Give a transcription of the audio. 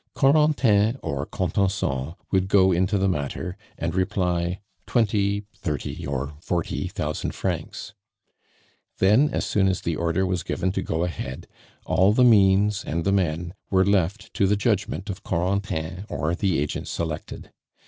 Corentin or Contenson would go into the matter and reply: "Twenty, thirty, or forty thousand francs." Then, as soon as the order was given to go ahead, all the means and the men were left to the judgment of Corentin or the agent selected.